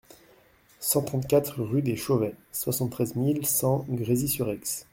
cent trente-quatre rue des Chauvets, soixante-treize mille cent Grésy-sur-Aix